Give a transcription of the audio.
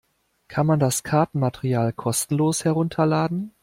Kann man das Kartenmaterial kostenlos herunterladen?